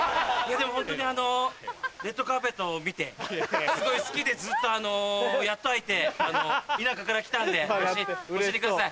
でもホントにあの『レッドカーペット』を見てすごい好きでずっとやっと会えて田舎から来たんで教えてください。